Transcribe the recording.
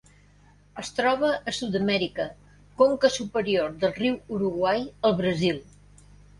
Es troba a Sud-amèrica: conca superior del riu Uruguai al Brasil.